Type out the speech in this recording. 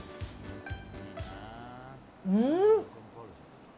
うん！